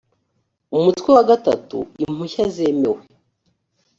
umutwe wa iii impushya zemewe